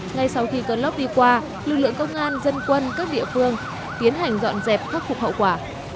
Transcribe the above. ngay sau khi cơn lóc đi qua lực lượng công an dân quân các địa phương tiến hành dọn dẹp khắc phục hậu quả